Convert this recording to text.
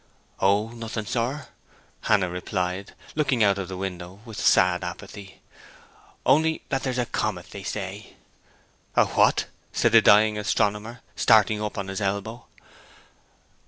'Oh, nothing, sir,' Hannah replied, looking out of the window with sad apathy, 'only that there's a comet, they say.' 'A WHAT?' said the dying astronomer, starting up on his elbow.